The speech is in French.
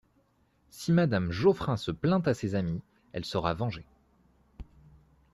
Si Madame Geoffrin se plaint à ses amis, elle sera vengée.